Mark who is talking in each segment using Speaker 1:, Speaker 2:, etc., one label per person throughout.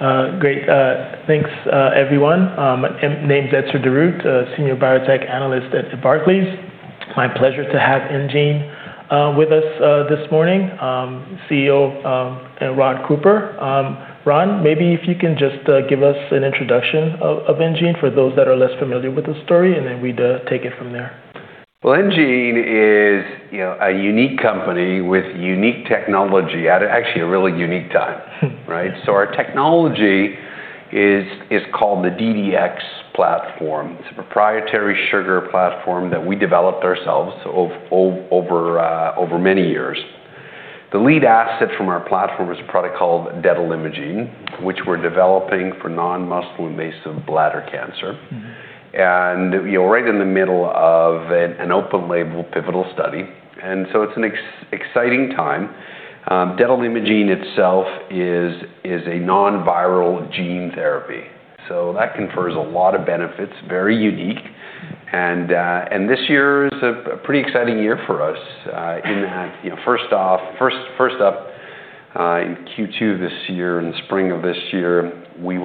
Speaker 1: Great. Thanks, everyone. Name's Etzer Darout, Senior Biotech Analyst at Barclays. My pleasure to have enGene with us this morning, CEO Ron Cooper. Ron, maybe if you can just give us an introduction of enGene for those that are less familiar with the story, and then we take it from there.
Speaker 2: Well, enGene is, you know, a unique company with unique technology at a actually a really unique time, right? Our technology is called the DDX platform. It's a proprietary sugar platform that we developed ourselves over many years. The lead asset from our platform is a product called detalimogene, which we're developing for non-muscle invasive bladder cancer.
Speaker 1: Mm-hmm.
Speaker 2: We are right in the middle of an open label pivotal study, so it's an exciting time. Detalimogene itself is a non-viral gene therapy, so that confers a lot of benefits, very unique. This year is a pretty exciting year for us, in that, you know, first up, in Q2 this year, in the spring of this year, we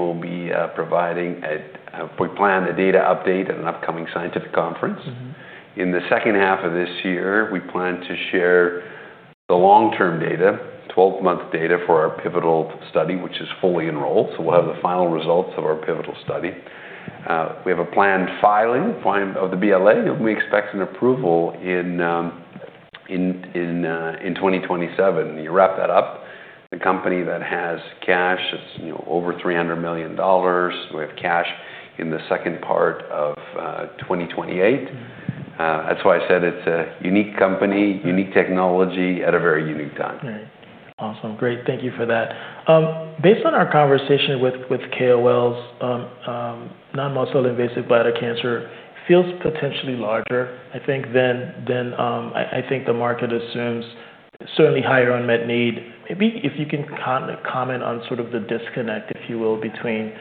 Speaker 2: plan a data update at an upcoming scientific conference.
Speaker 1: Mm-hmm.
Speaker 2: In the second half of this year, we plan to share the long-term data, 12-month data for our pivotal study, which is fully enrolled, so we'll have the final results of our pivotal study. We have a planned filing of the BLA, and we expect an approval in 2027. You wrap that up, the company then has cash that's, you know, over $300 million. We have cash in the second part of 2028.
Speaker 1: Mm-hmm.
Speaker 2: That's why I said it's a unique company.
Speaker 1: Mm.
Speaker 2: unique technology at a very unique time.
Speaker 1: Right. Awesome. Great. Thank you for that. Based on our conversation with KOLs, non-muscle invasive bladder cancer feels potentially larger, I think, than I think the market assumes. Certainly higher unmet need. Maybe if you can comment on sort of the disconnect, if you will, between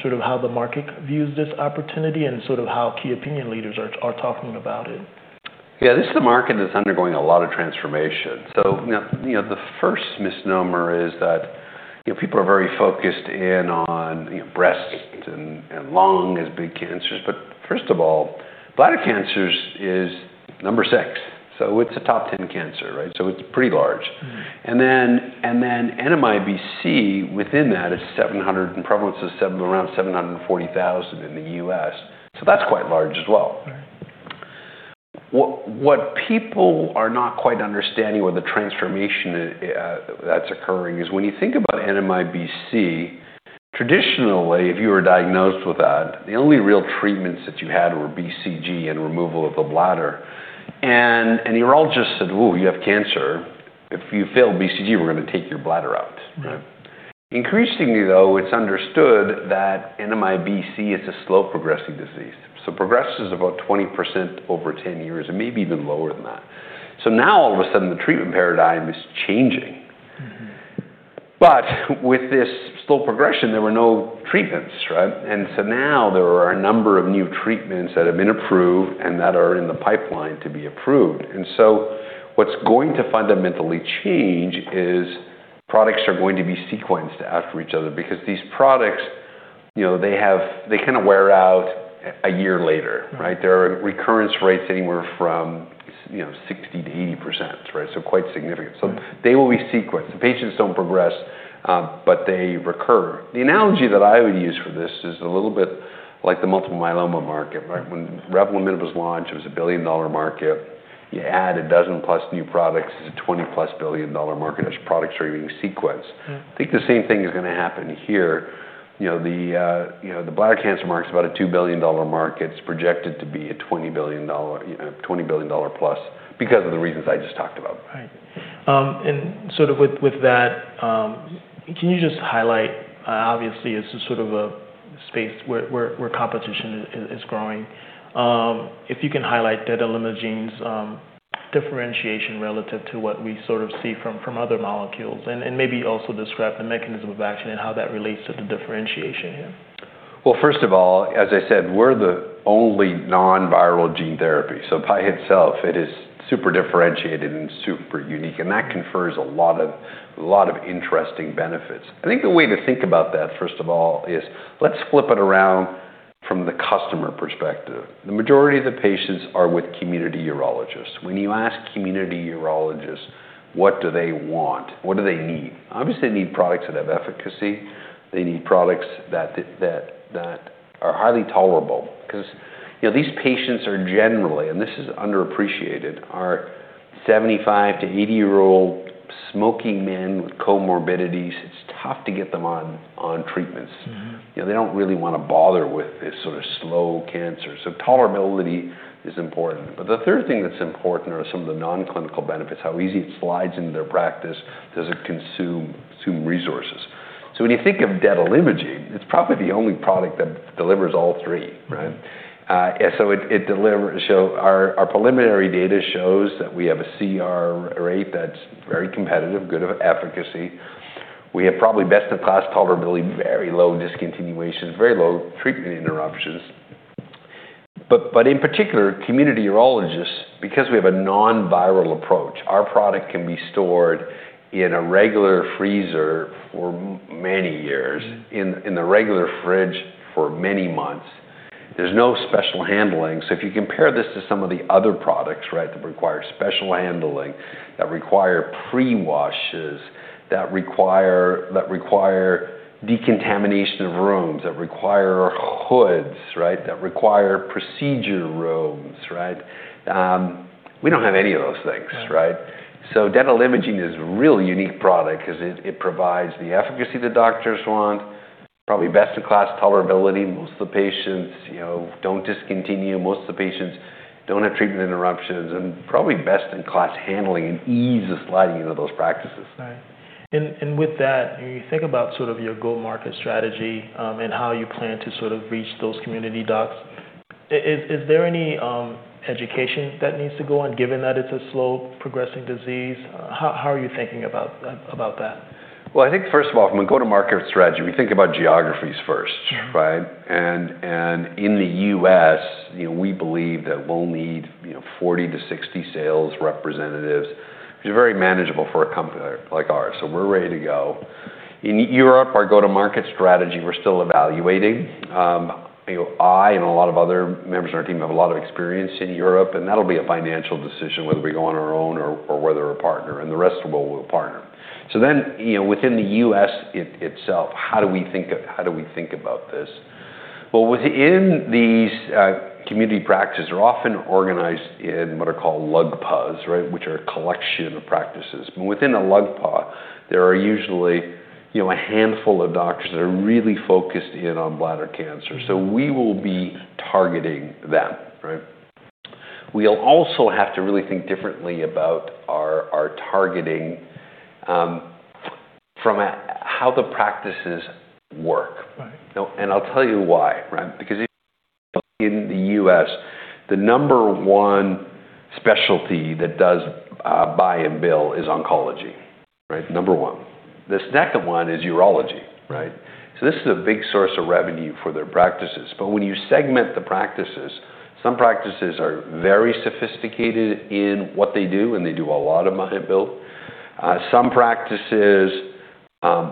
Speaker 1: sort of how the market views this opportunity and sort of how key opinion leaders are talking about it.
Speaker 2: Yeah. This is a market that's undergoing a lot of transformation. Now, you know, the first misnomer is that, you know, people are very focused in on, you know, breast and lung as big cancers. But first of all, bladder cancer is number six, so it's a top 10 cancer, right? It's pretty large.
Speaker 1: Mm.
Speaker 2: NMIBC within that is around 740,000 in the U.S., so that's quite large as well.
Speaker 1: Right.
Speaker 2: What people are not quite understanding with the transformation that's occurring is when you think about NMIBC, traditionally, if you were diagnosed with that, the only real treatments that you had were BCG and removal of the bladder. Urologists said, "Ooh, you have cancer. If you fail BCG, we're going to take your bladder out," right?
Speaker 1: Right.
Speaker 2: Increasingly though, it's understood that NMIBC is a slow progressing disease, so progresses about 20% over 10 years and maybe even lower than that. Now all of a sudden the treatment paradigm is changing.
Speaker 1: Mm-hmm.
Speaker 2: with this slow progression, there were no treatments, right? Now there are a number of new treatments that have been approved and that are in the pipeline to be approved. What's going to fundamentally change is products are going to be sequenced after each other because these products, you know, they have. They kind of wear out a year later, right?
Speaker 1: Mm.
Speaker 2: There are recurrence rates anywhere from you know, 60%-80%, right? Quite significant.
Speaker 1: Right.
Speaker 2: They will be sequenced. The patients don't progress, but they recur. The analogy that I would use for this is a little bit like the multiple myeloma market, right? When Revlimid was launched, it was a billion-dollar market. You add 12 plus new products, it's a 20-plus billion-dollar market as products are being sequenced.
Speaker 1: Mm.
Speaker 2: I think the same thing is going to happen here. You know, the bladder cancer market's about a $2 billion market. It's projected to be a $20 billion plus because of the reasons I just talked about.
Speaker 1: Right. With that, can you just highlight, obviously it's a sort of a space where competition is growing. If you can highlight detalimogene's differentiation relative to what we sort of see from other molecules and maybe also describe the mechanism of action and how that relates to the differentiation here.
Speaker 2: Well, first of all, as I said, we're the only non-viral gene therapy, so by itself it is super differentiated and super unique, and that confers a lot of interesting benefits. I think the way to think about that, first of all, is let's flip it around from the customer perspective. The majority of the patients are with community urologists. When you ask community urologists what do they want, what do they need, obviously they need products that have efficacy. They need products that are highly tolerable. 'Cause, you know, these patients are generally, and this is underappreciated, are 75-80-year-old smoking men with comorbidities. It's tough to get them on treatments.
Speaker 1: Mm-hmm.
Speaker 2: You know, they don't really want to bother with this sort of slow cancer, so tolerability is important. The third thing that's important are some of the non-clinical benefits, how easy it slides into their practice. Does it consume resources? When you think of detalimogene, it's probably the only product that delivers all three, right?
Speaker 1: Mm.
Speaker 2: Our preliminary data shows that we have a CR rate that's very competitive, good efficacy. We have probably best-in-class tolerability, very low discontinuation, very low treatment interruptions. In particular, community urologists, because we have a non-viral approach, our product can be stored in a regular freezer for many years, in the regular fridge for many months. There's no special handling. If you compare this to some of the other products, right, that require special handling, that require pre-washes, that require decontamination of rooms, that require hoods, right, that require procedure rooms, right? We don't have any of those things, right?
Speaker 1: Right.
Speaker 2: Detalimogene is a really unique product 'cause it provides the efficacy the doctors want, probably best-in-class tolerability. Most of the patients, you know, don't discontinue. Most of the patients don't have treatment interruptions, and probably best-in-class handling and ease of sliding into those practices.
Speaker 1: Right. With that, when you think about sort of your go-to-market strategy, and how you plan to sort of reach those community docs, is there any education that needs to go on, given that it's a slow progressing disease? How are you thinking about that?
Speaker 2: Well, I think first of all, from a go-to-market strategy, we think about geographies first.
Speaker 1: Sure.
Speaker 2: In the U.S., you know, we believe that we'll need, you know, 40-60 sales representatives, which is very manageable for a company like ours, so we're ready to go. In Europe, our go-to-market strategy, we're still evaluating. You know, I and a lot of other members of our team have a lot of experience in Europe, and that'll be a financial decision whether we go on our own or whether a partner, and the rest of them we'll partner. You know, within the U.S. itself, how do we think about this? Well, within these, community practices are often organized in what are called LUGPAs, right, which are a collection of practices. But within a LUGPA, there are usually, you know, a handful of doctors that are really focused in on bladder cancer. We will be targeting them, right? We'll also have to really think differently about our targeting, from a, how the practices work.
Speaker 1: Right.
Speaker 2: You know, I'll tell you why, right? Because in the U.S., the number one specialty that does buy and bill is oncology, right? Number one. The second one is urology, right? This is a big source of revenue for their practices. When you segment the practices, some practices are very sophisticated in what they do, and they do a lot of buy and bill. Some practices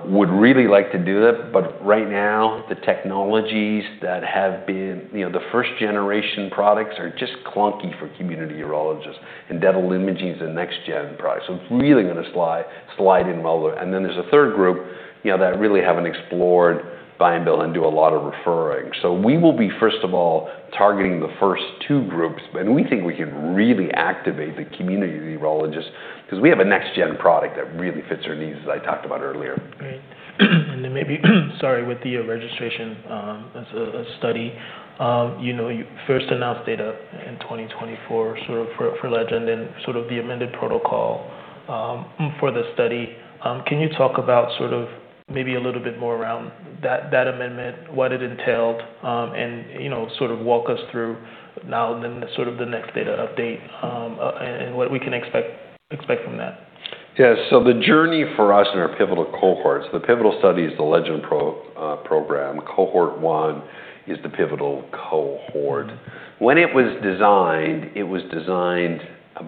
Speaker 2: would really like to do that, but right now the technologies that have been, you know, the first generation products are just clunky for community urologists, and detalimogene a next-gen product, so it's really going to slide in well there. There's a third group, you know, that really haven't explored buy and bill and do a lot of referring. We will be, first of all, targeting the first two groups, but we think we can really activate the community urologists because we have a next gen product that really fits their needs, as I talked about earlier.
Speaker 1: Great. Then maybe, sorry, with the registration, as a study, you know, you first announced data in 2024 sort of for LEGEND and sort of the amended protocol for the study. Can you talk about sort of maybe a little bit more around that amendment, what it entailed, and you know, sort of walk us through now then sort of the next data update, and what we can expect from that?
Speaker 2: Yeah. The journey for us and our pivotal cohorts, the pivotal study is the LEGEND program. Cohort one is the pivotal cohort. When it was designed, it was designed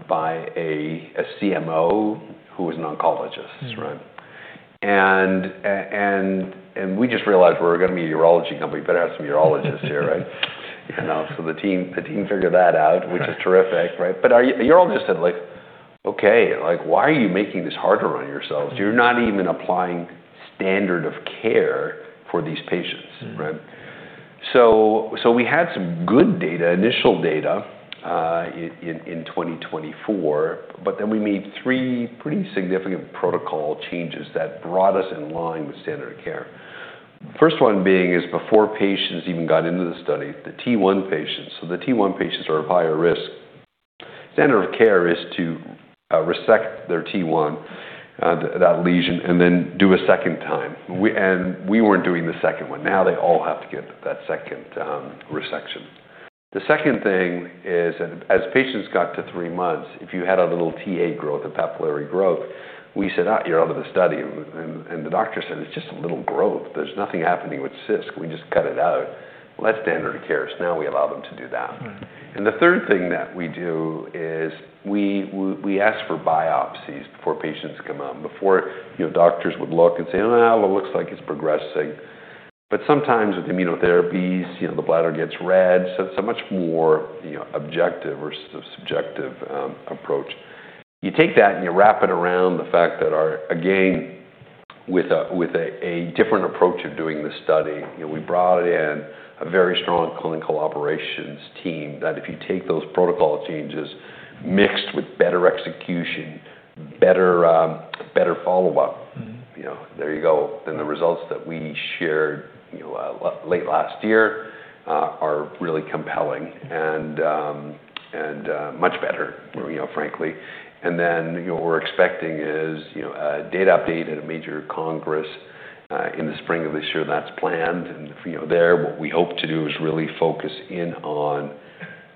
Speaker 2: by a CMO who was an oncologist.
Speaker 1: Mm-hmm.
Speaker 2: Right? We just realized we're going to be a urology company. We better have some urologists here, right? You know, the team figured that out.
Speaker 1: Right.
Speaker 2: which is terrific, right? Our urologist said like, "Okay, like, why are you making this harder on yourselves? You're not even applying standard of care for these patients," right?
Speaker 1: Mm-hmm.
Speaker 2: We had some good data, initial data, in 2024, but then we made three pretty significant protocol changes that brought us in line with standard of care. First one being before patients even got into the study, the T1 patients, so the T1 patients are at higher risk. Standard of care is to resect their T1, that lesion, and then do a second time. We weren't doing the second one. Now they all have to get that second resection. The second thing is as patients got to three months, if you had a little Ta growth, a papillary growth, we said, "You're out of the study." The doctor said, "It's just a little growth. There's nothing happening with CIS. Can we just cut it out?" Well, that's standard of care, so now we allow them to do that.
Speaker 1: Mm-hmm.
Speaker 2: The third thing that we do is we ask for biopsies before patients come out. Before, you know, doctors would look and say, "Well, it looks like it's progressing." But sometimes with immunotherapies, you know, the bladder gets red. So it's a much more, you know, objective versus a subjective approach. You take that and you wrap it around the fact that our again, with a different approach of doing the study, you know, we brought in a very strong clinical operations team that if you take those protocol changes mixed with better execution, better follow-up.
Speaker 1: Mm-hmm.
Speaker 2: you know, there you go. The results that we shared, you know, late last year, are really compelling and much better, you know, frankly. What we're expecting is, you know, a data update at a major congress in the spring of this year that's planned. There, what we hope to do is really focus in on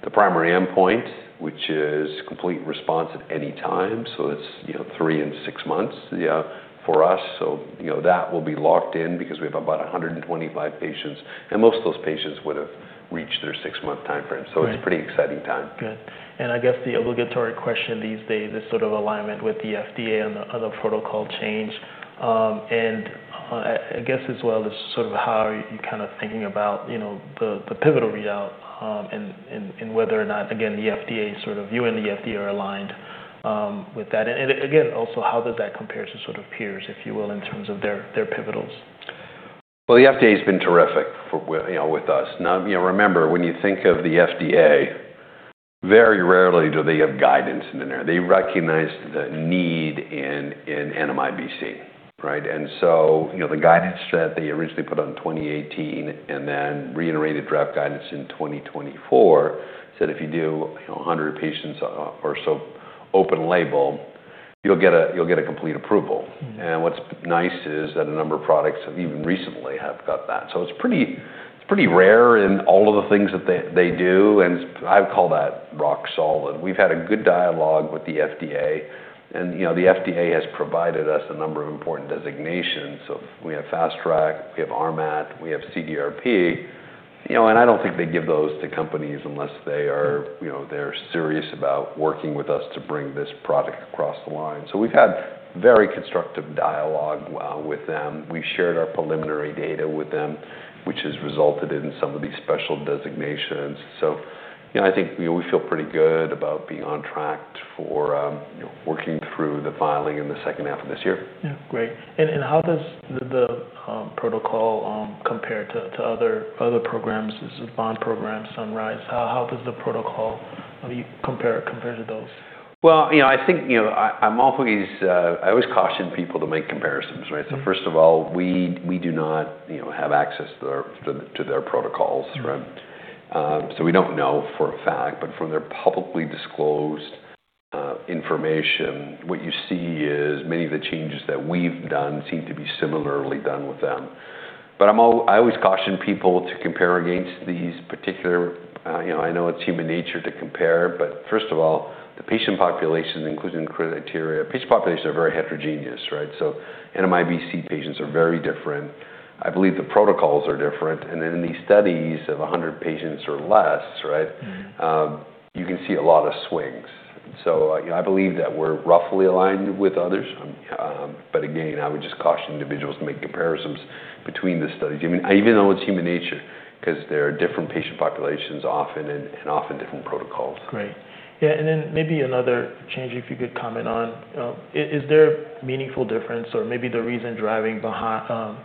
Speaker 2: the primary endpoint, which is complete response at any time, so it's, you know, three and six months, yeah, for us. That will be locked in because we have about 125 patients, and most of those patients would have reached their six-month timeframe.
Speaker 1: Right.
Speaker 2: It's a pretty exciting time.
Speaker 1: Good. I guess the obligatory question these days is sort of alignment with the FDA on the protocol change. I guess as well just sort of how are you kind of thinking about, you know, the pivotal readout, and whether or not, again, you and the FDA are aligned with that. Again, also how does that compare to sort of peers, if you will, in terms of their pivotals?
Speaker 2: Well, the FDA's been terrific, you know, with us. Now, you know, remember, when you think of the FDA, very rarely do they give guidance in there. They recognized the need in NMIBC, right? You know, the guidance that they originally put out in 2018 and then reiterated draft guidance in 2024 said if you do, you know, 100 patients or so open label, you'll get a complete approval.
Speaker 1: Mm-hmm.
Speaker 2: What's nice is that a number of products even recently have got that. It's pretty rare in all of the things that they do, and I call that rock solid. We've had a good dialogue with the FDA and, you know, the FDA has provided us a number of important designations. We have Fast Track, we have RMAT, we have CDRP, you know, and I don't think they give those to companies unless they are, you know, they're serious about working with us to bring this product across the line. We've had very constructive dialogue with them. We've shared our preliminary data with them, which has resulted in some of these special designations. You know, I think we feel pretty good about being on track for, you know, working through the filing in the second half of this year.
Speaker 1: Yeah. Great. How does the protocol compare to other programs? This BOND-003 program, SunRISe-1, how does the protocol compare to those?
Speaker 2: Well, you know, I think, you know, I always caution people to make comparisons, right?
Speaker 1: Mm-hmm.
Speaker 2: First of all, we do not, you know, have access to their protocols, right?
Speaker 1: Mm-hmm.
Speaker 2: We don't know for a fact, but from their publicly disclosed information, what you see is many of the changes that we've done seem to be similarly done with them. But I always caution people to compare against these particular, you know, I know it's human nature to compare, but first of all, the patient population, including criteria, are very heterogeneous, right? NMIBC patients are very different. I believe the protocols are different. In these studies of 100 patients or less, right?
Speaker 1: Mm-hmm
Speaker 2: You can see a lot of swings. I believe that we're roughly aligned with others. Again, I would just caution individuals to make comparisons between the studies, even though it's human nature, 'cause there are different patient populations often and often different protocols.
Speaker 1: Great. Yeah. Maybe another change, if you could comment on, is there a meaningful difference or maybe the reason driving the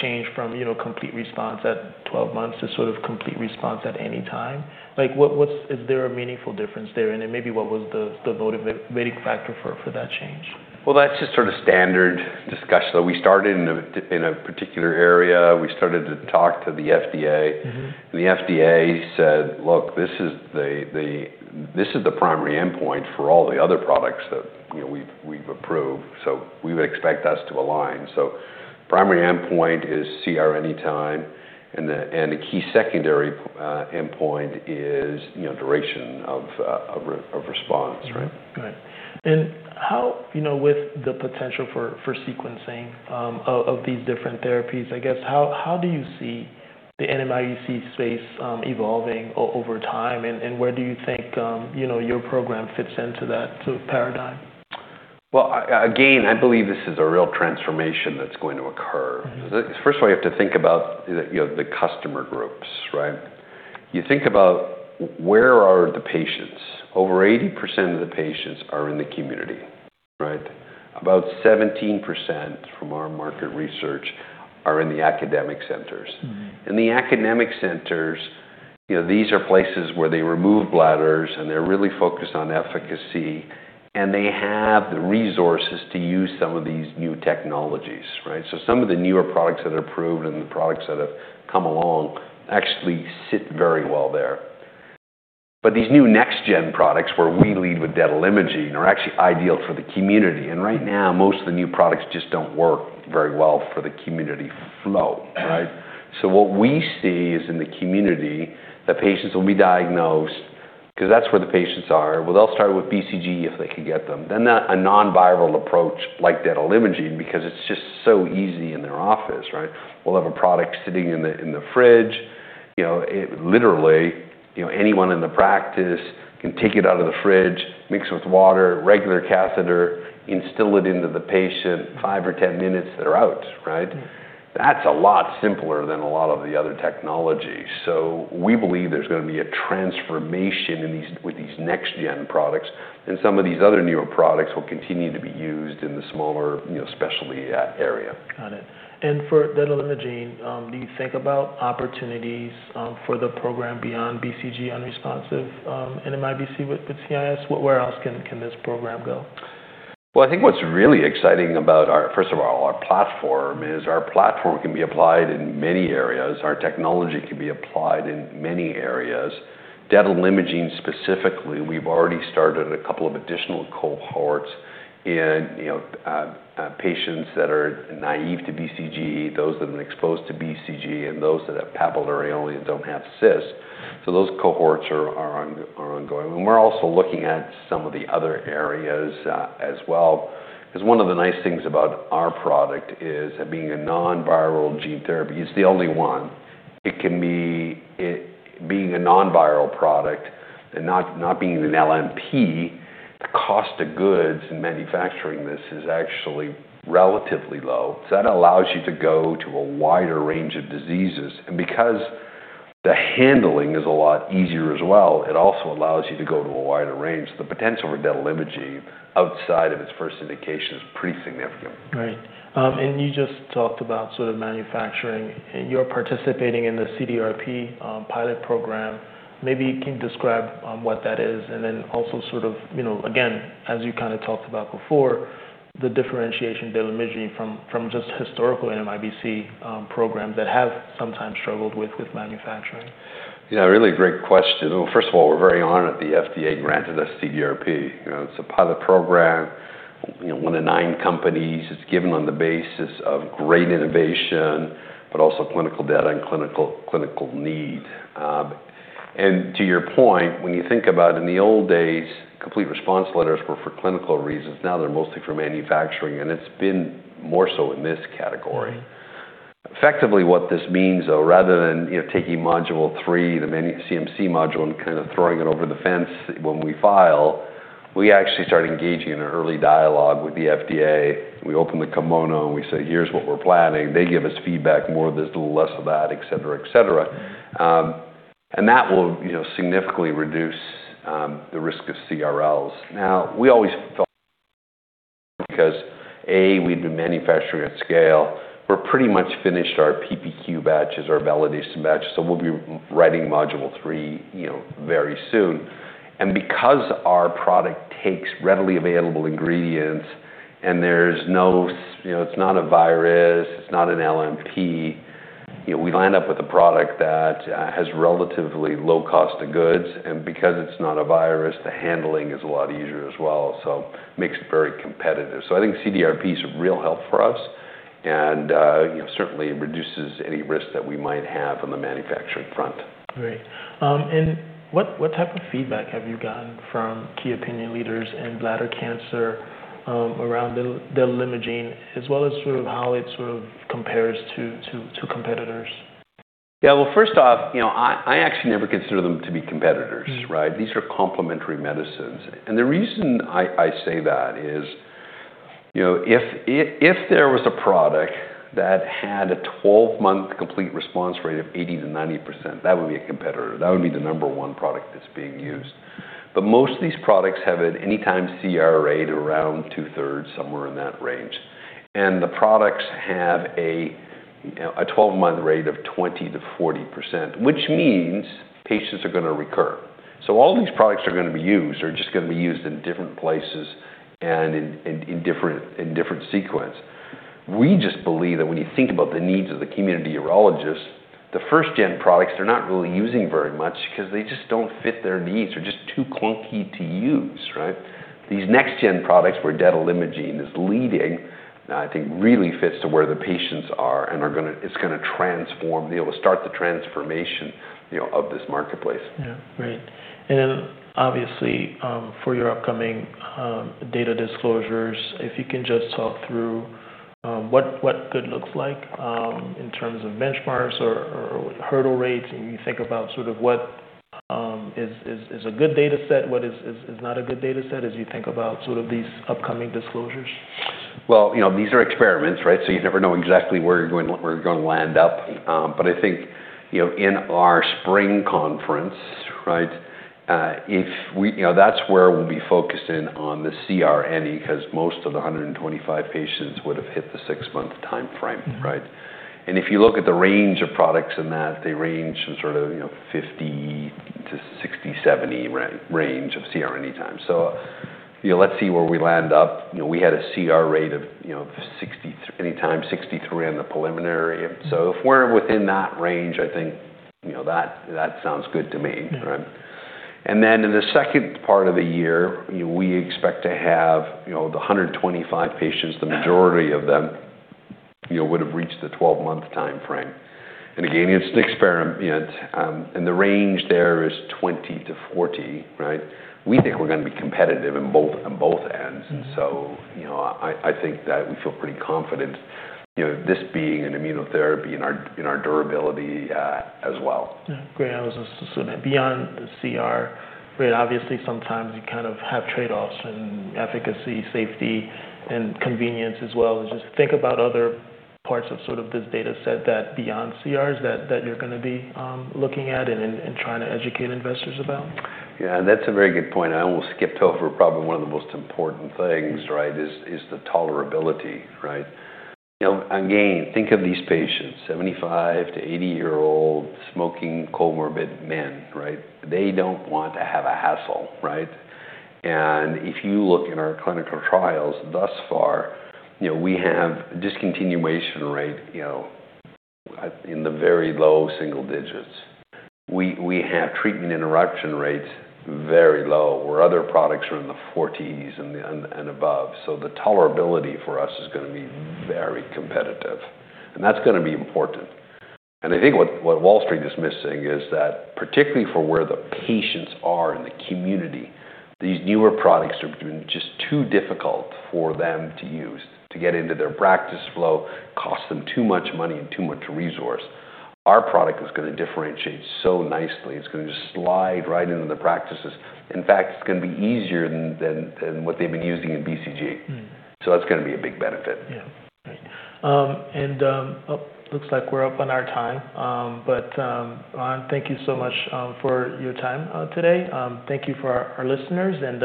Speaker 1: change from, you know, complete response at 12 months to sort of complete response at any time? Is there a meaningful difference there? Maybe what was the motivating factor for that change?
Speaker 2: Well, that's just sort of standard discussion. We started in a particular area. We started to talk to the FDA.
Speaker 1: Mm-hmm.
Speaker 2: The FDA said, "Look, this is the primary endpoint for all the other products that, you know, we've approved. So we would expect us to align." Primary endpoint is CR anytime, and the key secondary endpoint is, you know, duration of response, right?
Speaker 1: Right. How, you know, with the potential for sequencing of these different therapies, I guess, how do you see the NMIBC space evolving over time? Where do you think, you know, your program fits into that sort of paradigm?
Speaker 2: Well, again, I believe this is a real transformation that's going to occur.
Speaker 1: Mm-hmm.
Speaker 2: First of all, you have to think about the, you know, the customer groups, right? You think about where are the patients? Over 80% of the patients are in the community, right? About 17% from our market research are in the academic centers.
Speaker 1: Mm-hmm.
Speaker 2: In the academic centers, you know, these are places where they remove bladders, and they're really focused on efficacy, and they have the resources to use some of these new technologies, right? Some of the newer products that are approved and the products that have come along actually sit very well there. These new next gen products, where we lead with detalimogene, are actually ideal for the community. Right now, most of the new products just don't work very well for the community flow, right? What we see is in the community that patients will be diagnosed, 'cause that's where the patients are. Well, they'll start with BCG if they can get them. A non-viral approach like detalimogene because it's just so easy in their office, right? We'll have a product sitting in the fridge. You know, it literally, you know, anyone in the practice can take it out of the fridge, mix it with water, regular catheter, instill it into the patient, five or 10 minutes, they're out, right?
Speaker 1: Mm-hmm.
Speaker 2: That's a lot simpler than a lot of the other technologies. We believe there's going to be a transformation in these with these next gen products, and some of these other newer products will continue to be used in the smaller, you know, specialty area.
Speaker 1: Got it. For detalimogene, do you think about opportunities for the program beyond BCG unresponsive NMIBC with CIS? Where else can this program go?
Speaker 2: Well, I think what's really exciting about our, first of all, our platform, is our platform can be applied in many areas. Our technology can be applied in many areas. Detalimogene specifically, we've already started a couple of additional cohorts and, you know, patients that are naive to BCG, those that have been exposed to BCG, and those that have papillary only and don't have CIS. Those cohorts are ongoing. We're also looking at some of the other areas, as well. 'Cause one of the nice things about our product is that being a non-viral gene therapy, it's the only one. It being a non-viral product and not being an LNP, the cost of goods in manufacturing this is actually relatively low. So that allows you to go to a wider range of diseases. Because the handling is a lot easier as well, it also allows you to go to a wider range. The potential for detalimogene outside of its first indication is pretty significant.
Speaker 1: Right. You just talked about sort of manufacturing, and you're participating in the CDRP pilot program. Maybe you can describe what that is and then also sort of, you know, again, as you kinda talked about before, the differentiation detalimogene from just historical NMIBC programs that have sometimes struggled with manufacturing.
Speaker 2: Yeah, really great question. Well, first of all, we're very honored the FDA granted us CDRP. You know, it's a pilot program, you know, one of nine companies. It's given on the basis of great innovation, but also clinical data and clinical need. To your point, when you think about in the old days, complete response letters were for clinical reasons. Now they're mostly for manufacturing, and it's been more so in this category.
Speaker 1: Mm-hmm.
Speaker 2: Effectively what this means, though, rather than, you know, taking Module three, the CMC module, and kinda throwing it over the fence when we file, we actually start engaging in an early dialogue with the FDA. We open the kimono, and we say, "Here's what we're planning." They give us feedback, more of this, little less of that, et cetera, et cetera. That will, you know, significantly reduce the risk of CRLs. Now, we always felt because, A, we've been manufacturing at scale. We're pretty much finished our PPQ batches, our validation batch, so we'll be writing Module three, you know, very soon. Because our product takes readily available ingredients and, you know, it's not a virus, it's not an LNP, you know, we wind up with a product that has relatively low cost of goods. Because it's not a virus, the handling is a lot easier as well, so makes it very competitive. I think CDRP is a real help for us and, you know, certainly reduces any risk that we might have on the manufacturing front.
Speaker 1: Great. What type of feedback have you gotten from key opinion leaders in bladder cancer around detalimogene as well as sort of how it sort of compares to competitors?
Speaker 2: Yeah. Well, first off, you know, I actually never consider them to be competitors, right? These are complementary medicines. The reason I say that is, you know, if there was a product that had a twelve-month complete response rate of 80%-90%, that would be a competitor. That would be the number one product that's being used. Most of these products have an anytime CR rate around two-thirds, somewhere in that range. The products have a 12-month rate of 20%-40%, which means patients are going to recur. All these products are going to be used, they're just going to be used in different places and in different sequence. We just believe that when you think about the needs of the community urologist, the first-gen products, they're not really using very much because they just don't fit their needs. They're just too clunky to use, right? These next-gen products where detalimogene is leading, I think really fits to where the patients are and it's going to transform, be able to start the transformation, you know, of this marketplace.
Speaker 1: Yeah. Right. Obviously, for your upcoming data disclosures, if you can just talk through what good looks like in terms of benchmarks or hurdle rates, and you think about sort of what is a good data set, what is not a good data set as you think about sort of these upcoming disclosures.
Speaker 2: Well, you know, these are experiments, right? You never know exactly where you're going, where you're going to land up. I think, you know, in our spring conference, right, you know, that's where we'll be focusing on the primary, because most of the 125 patients would have hit the six-month timeframe, right?
Speaker 1: Mm-hmm.
Speaker 2: If you look at the range of products in that, they range in sort of, you know, 50%-70% range of CR anytime. So, you know, let's see where we end up. You know, we had a CR rate of, you know, 63% anytime in the preliminary. So if we're within that range, I think, you know, that sounds good to me, right?
Speaker 1: Yeah.
Speaker 2: Then in the second part of the year, you know, we expect to have, you know, the 125 patients, the majority of them, you know, would have reached the 12-month timeframe. Again, it's an experiment, and the range there is 20-40, right? We think we're going to be competitive in both, in both ends.
Speaker 1: Mm-hmm.
Speaker 2: You know, I think that we feel pretty confident, you know, this being an immunotherapy in our durability, as well.
Speaker 1: Yeah. Great analysis. Beyond the CR, right, obviously sometimes you kind of have trade-offs in efficacy, safety, and convenience as well. Just think about other parts of sort of this data set that beyond CRs that you're going to be looking at and trying to educate investors about.
Speaker 2: Yeah, that's a very good point. I almost skipped over probably one of the most important things, right, is the tolerability, right? You know, again, think of these patients, 75-80-year-old smoking comorbid men, right? They don't want to have a hassle, right? If you look in our clinical trials thus far, you know, we have discontinuation rate, you know, in the very low single digits. We have treatment interruption rates very low, where other products are in the 40s and above. The tolerability for us is going to be very competitive, and that's going to be important. I think what Wall Street is missing is that, particularly for where the patients are in the community, these newer products are just too difficult for them to use to get into their practice flow, costs them too much money and too much resource. Our product is going to differentiate so nicely. It's going to just slide right into the practices. In fact, it's going to be easier than what they've been using in BCG.
Speaker 1: Mm-hmm.
Speaker 2: That's going to be a big benefit.
Speaker 1: Yeah. Great. Oh, looks like we're up on our time. Ron, thank you so much for your time today. Thank you for our listeners and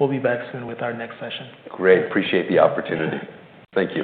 Speaker 1: we'll be back soon with our next session.
Speaker 2: Great. Appreciate the opportunity. Thank you.